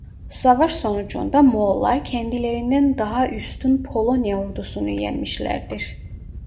Savaş sonucunda Moğollar kendilerinden daha üstün Polonya ordusunu yenmişlerdir.